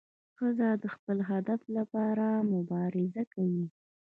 ښځه د خپل هدف لپاره مبارزه کوي.